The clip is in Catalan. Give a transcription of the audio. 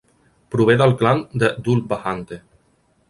Prové del clan de Dhulbahante.